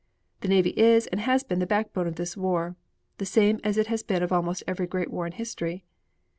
The navy is and has been the backbone of this war, the same as it has been of almost every great war in history.